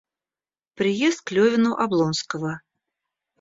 Приезд к Левину Облонского.